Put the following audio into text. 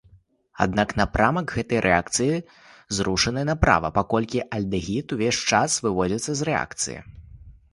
Аднак напрамак гэтай рэакцыі зрушаны направа, паколькі альдэгід увесь час выводзіцца з рэакцыі.